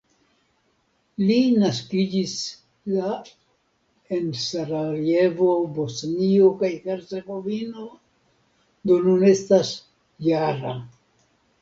Li naskiĝis la en Sarajevo, Bosnio kaj Hercegovino, do nun estas -jara.